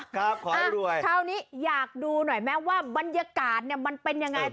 คราวนี้อยากดูหน่อยบรรยากาศมันเป็นยังไง